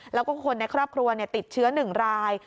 แล้วก็คนในครอบครัวติดเชื้อ๑ราย